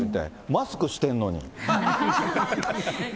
マスクしてんのに。